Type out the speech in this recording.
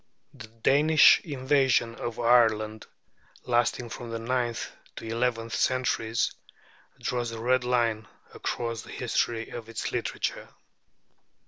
The Danish invasion of Ireland, lasting from the ninth to the eleventh centuries, draws a red line across the history of its literature.